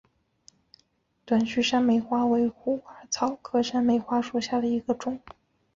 短序山梅花为虎耳草科山梅花属下的一个种。